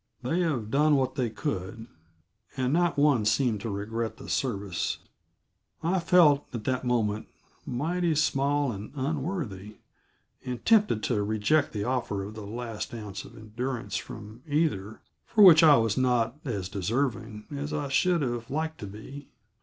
They have done what they could and not one seemed to regret the service. I felt, at that moment, mighty small and unworthy, and tempted to reject the offer of the last ounce of endurance from either for which I was not as deserving as I should have liked to be.